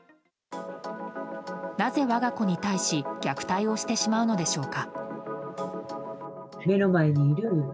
なぜ我が子に対し虐待をしてしまうのでしょうか。